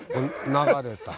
流れた。